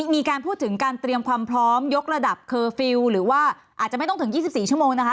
มีการพูดถึงการเตรียมความพร้อมยกระดับเคอร์ฟิลล์หรือว่าอาจจะไม่ต้องถึง๒๔ชั่วโมงนะคะ